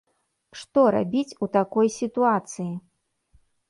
Што рабіць у такой сітуацыі?